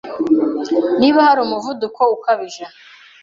Niba hari umuvuduko ukabije